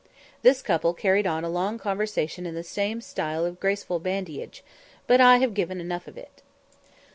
This couple carried on a long conversation in the same style of graceful badinage; but I have given enough of it.